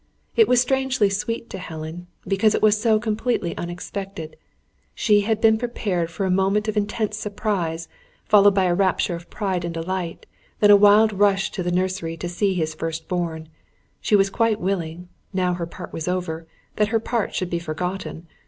It was strangely sweet to Helen, because it was so completely unexpected. She had been prepared for a moment of intense surprise, followed by a rapture of pride and delight; then a wild rush to the nursery to see his first born. She was quite willing, now her part was over, that her part should be forgotten.